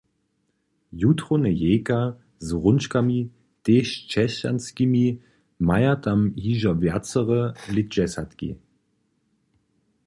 Jutrowne jejka z hrónčkami, tež křesćanskimi, maja tam hižo wjacore lětdźesatki.